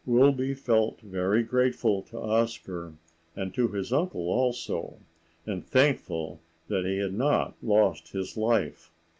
Wilby felt very grateful to Oscar and to his uncle also, and thankful that he had not lost his life.